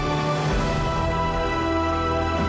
di mata kamu aku selalu salah kan